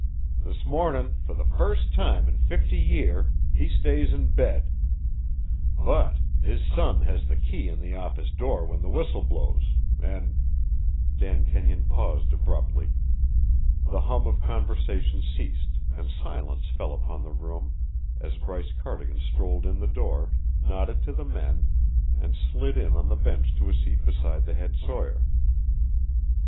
This mornin', for the first time in fifty year, he stays in bed; but his son has the key in the office door when the whistle blows, an' " Dan Kenyon paused abruptly; the hum of conversation ceased, and silence fell upon the room as Bryce Cardigan strolled in the door, nodded to the men, and slid in on the bench to a seat beside the head sawyer.